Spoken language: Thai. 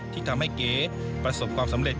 ที่ทำให้เก๋ประสบความสำเร็จ